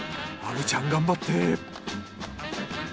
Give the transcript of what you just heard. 虻ちゃん頑張って。